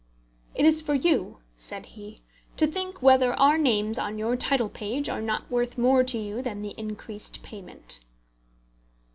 "It is for you," said he, "to think whether our names on your title page are not worth more to you than the increased payment."